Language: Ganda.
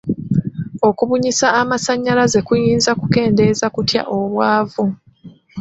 Okubunyisa amasannyalaze kuyinza kukendeeza kutya obwavu?